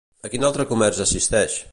A quin altre comerç assisteix?